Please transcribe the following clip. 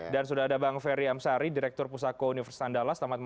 dan sudah ada bang ferry amsari direktur pusako universitas andalas